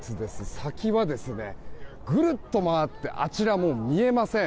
先はぐるっと回ってあちら、もう見えません。